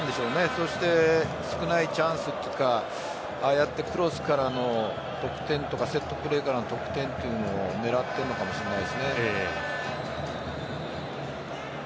そして、少ないチャンスとかああやってクロスからの得点とかセットプレーからの得点というのを狙っているのかもしれないですね。